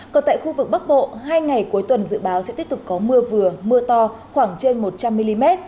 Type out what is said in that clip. còn tại khu vực bắc bộ hai ngày cuối tuần dự báo sẽ tiếp tục có mưa vừa mưa to khoảng trên một trăm linh mm